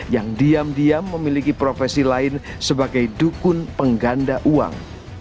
yang diam diam memiliki profesi lain sebagai dukun pengganda uang